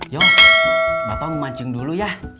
yo bapak mau mancing dulu ya